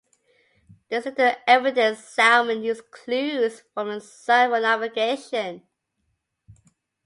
There is little evidence salmon use clues from the sun for navigation.